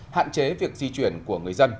hạn chế việc di chuyển của người dân